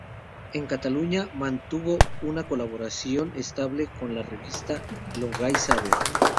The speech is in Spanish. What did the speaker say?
En Cataluña mantuvo una colaboración estable con la revista "Lo Gai Saber".